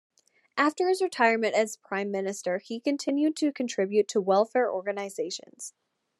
After his retirement as Prime Minister, he continued to contribute to welfare organisations.